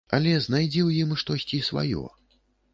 Але знайдзі ў ім штосьці сваё.